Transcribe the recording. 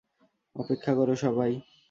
অপেক্ষা করো, সবাই!